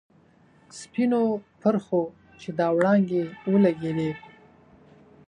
سپینو پرخو چې دا وړانګې ولیدلي.